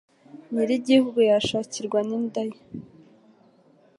Nyiri igihugu yashakirwa n'inda ye,